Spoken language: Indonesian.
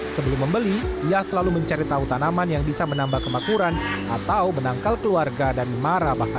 sebelum membeli ia selalu mencari tahu tanaman yang bisa menambah kemakuran atau menangkal keluarga dan marah bahaya